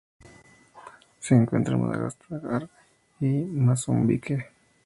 Se encuentra en Madagascar y Mozambique.